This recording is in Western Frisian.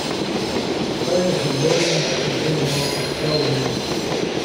De kuier sil duorje oant likernôch fjouwer oere.